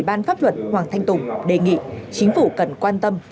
ban pháp luật hoàng thanh tùng đề nghị chính phủ cần quan tâm